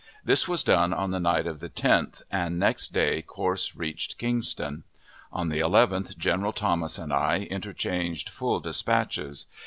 This was done on the night of the 10th, and next day Corse reached Kingston. On the 11th General Thomas and I interchanged full dispatches.